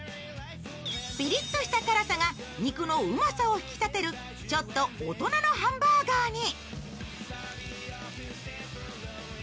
ピリッとした辛さが肉のうまさを引き立てるちょっと大人のハンバーガーに。